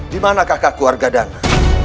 dimana kakak keluarga dana